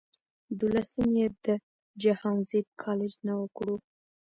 دولسم ئې د جهانزيب کالج نه اوکړو